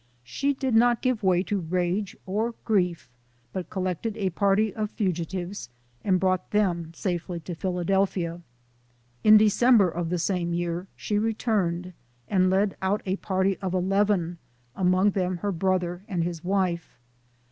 She did not give way to rage or grief, but collected a party of fugitives and brought them safely to Philadelphia. In December of the same year, she returned, and led out a party of eleven, among them her brother and his wife.